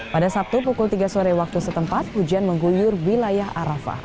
pada sabtu pukul tiga sore waktu setempat hujan mengguyur wilayah arafah